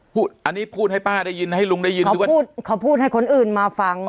อันนี้พูดให้ป้าได้ยินให้ลุงได้ยินหรือว่าพูดเขาพูดให้คนอื่นมาฟัง